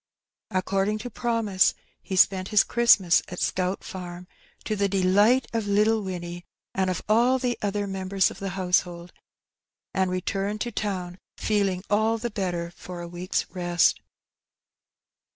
According to promise he spent his Christmas at Scout Farm, to the delight of little Winnie and of all the other members of the household, and returned to town feeling all the better for a week^s rest.